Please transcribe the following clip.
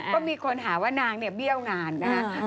ก็มีคนหาว่านางเนี่ยเบี้ยวงานนะคะ